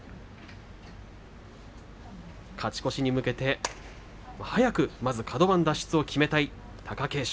勝ち越しに向けて早くまずはカド番脱出を決めたい貴景勝。